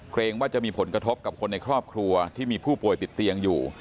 ว่าจะมีผลกระทบกับคนในครอบครัวที่มีผู้ป่วยติดเตียงอยู่